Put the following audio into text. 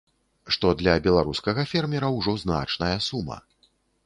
Што для беларускага фермера ўжо значная сума.